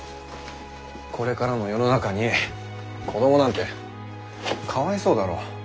これからの世の中に子どもなんてかわいそうだろ。